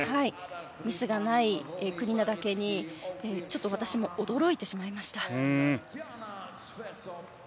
ミスがない国なだけにちょっと私も驚いてしまいました。